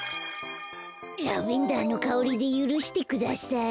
ラベンダーのかおりでゆるしてください。